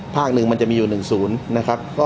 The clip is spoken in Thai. ภาคหนึ่งจะมีอยู่๑สูญ